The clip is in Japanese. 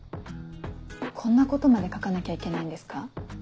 こんなことまで書かなきゃいけないんですか？